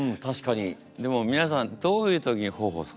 でも皆さんどういう時に頬をそめますか？